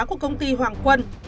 của công ty hoàng quân